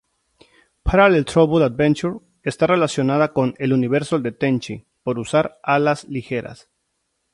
Parallel Trouble Adventure" está relacionada con "El Universo de Tenchi" por usar "Alas Ligeras".